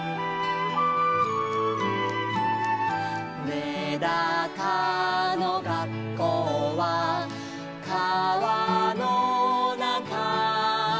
「めだかのがっこうはかわのなか」